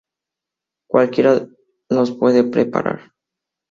Cualquiera los puede preparar.